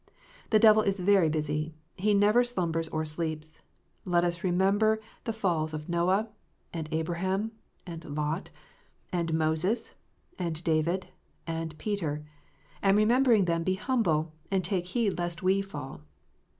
The devil is very busy : he never slumbers or sleeps. Let us remember the falls of Noah, and Abraham, and Lot, and Moses, and David, and Peter ; and remembering them, be humble, and take heed lest we fall.